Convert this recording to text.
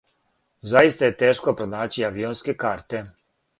Заиста је тешко пронаћи авионске карте.